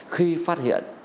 khi phát hiện